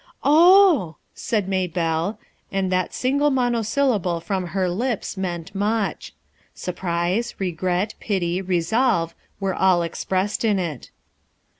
" Oh !" said Maybellc, and that single mono syllable from her lips meant much. Surprise, regret, pity, resolve, were all expressed in it.